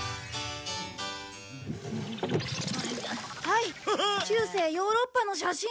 はい中世ヨーロッパの写真。